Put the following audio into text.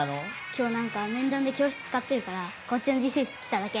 今日何か面談で教室使ってるからこっちの自習室来ただけ。